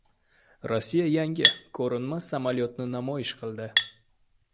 Rossiya yangi “ko‘rinmas” samolyotini namoyish qildi